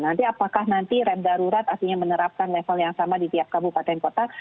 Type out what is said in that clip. nanti apakah nanti rem darurat artinya menerapkan level yang sama di tiap kabupaten kota